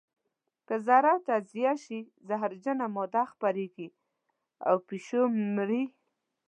که ذره تجزیه شي زهرجنه ماده خپرېږي او پیشو مري.